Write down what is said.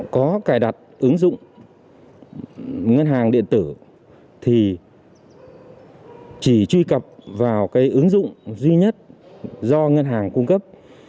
có cài đặt ứng dụng ngân hàng điện tử thì chỉ truy cập vào cái ứng dụng duy nhất do ngân hàng cung cấp